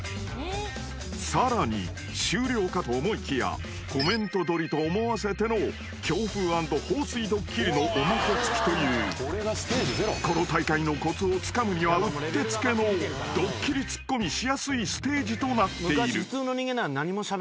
［さらに終了かと思いきやコメントどりと思わせての強風＆放水ドッキリのおまけ付きというこの大会のコツをつかむにはうってつけのドッキリツッコミしやすいステージとなっている］